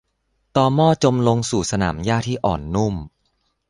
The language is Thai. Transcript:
ตอม่อจมลงสู่สนามหญ้าที่อ่อนนุ่ม